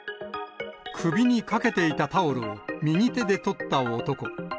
首にかけていたタオルを右手で取った男。